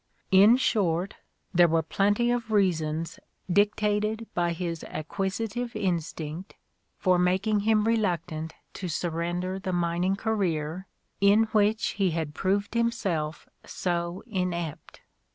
In short, there were plenty of reasons dictated by his acquisitive instinct for making him reluctant to sur render the mining career in which he had proved himself so inept.